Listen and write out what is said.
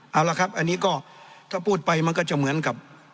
เอาละครับอันนี้ก็ถ้าพูดไปมันก็จะเหมือนกับ